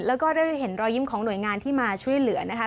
แล้วก็ได้เห็นรอยยิ้มของหน่วยงานที่มาช่วยเหลือนะคะ